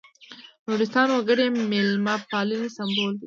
نورستاني وګړي د مېلمه پالنې سمبول دي.